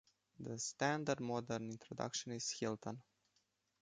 The standard modern introduction is Hilton.